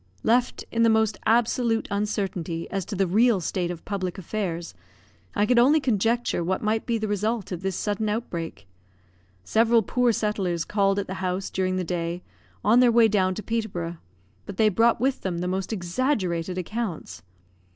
Left in the most absolute uncertainty as to the real state of public affairs, I could only conjecture what might be the result of this sudden outbreak. Several poor settlers called at the house during the day, on their way down to Peterborough, but they brought with them the most exaggerated accounts.